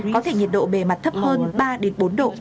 có thể nhiệt độ bề mặt thấp hơn ba bốn độ